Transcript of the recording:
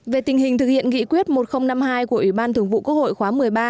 về tình hình thực hiện nghị quyết một nghìn năm mươi hai của ủy ban thường vụ quốc hội khóa một mươi ba